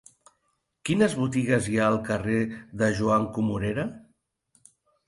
Quines botigues hi ha al carrer de Joan Comorera?